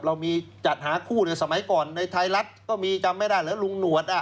เรามีจัดหาคู่ในสมัยก่อนในไทยรัฐก็มีจำไม่ได้เหรอลุงหนวดอ่ะ